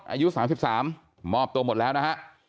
อายุ๓๓มอบตัวหมดแล้วนะฮะ